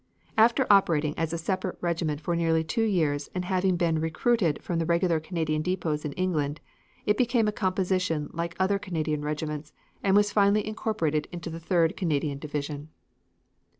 After operating as a separate regiment for nearly two years and having been recruited from the regular Canadian depots in England, it became in composition like other Canadian regiments and was finally incorporated in the third Canadian division.